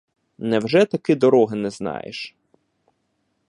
Невже таки дороги не знаєш?